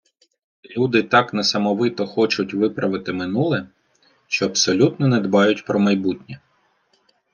Люди так несамовито хочуть виправити минуле, що абсолютно не дбають про майбутнє.